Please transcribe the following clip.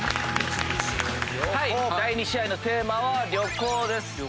第２試合のテーマは旅行です。